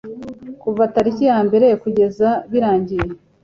kuva tariki ya mbere kugeza birangiye